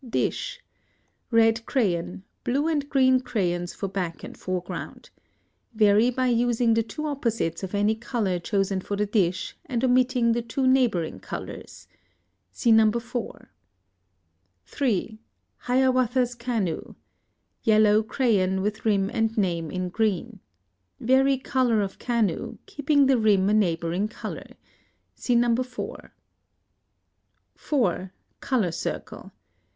Dish. Red crayon, blue and green crayons for back and foreground. Vary by using the two opposites of any color chosen for the dish and omitting the two neighboring colors. See No. 4. 3. Hiawatha's canoe. Yellow crayon, with rim and name in green. Vary color of canoe, keeping the rim a neighboring color. See No. 4. 4. Color circle.